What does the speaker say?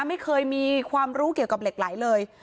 ไม่เคยมีความรู้เกี่ยวกับเหล็กไหลเลย